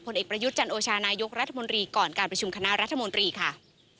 เอกประยุทธ์จันโอชานายกรัฐมนตรีก่อนการประชุมคณะรัฐมนตรีค่ะ